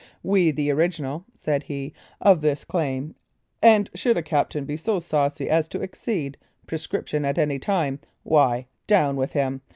"We are the original," said he, "of this claim, and should a captain be so saucy as to exceed prescription at any time, why, down with him!